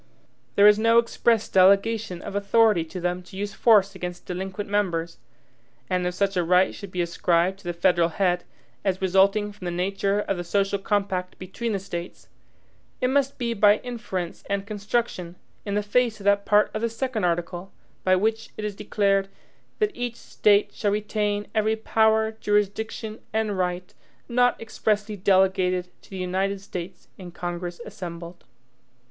There is no express delegation of authority to them to use force against delinquent members; and if such a right should be ascribed to the federal head, as resulting from the nature of the social compact between the States, it must be by inference and construction, in the face of that part of the second article, by which it is declared, "that each State shall retain every power, jurisdiction, and right, not EXPRESSLY delegated to the United States in Congress assembled."